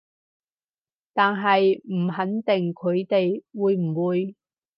但係唔肯定佢哋會唔會